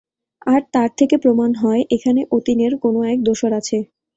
তার থেকে প্রমাণ হয় এখানে অতীনের কোনো-এক দোসর আছে।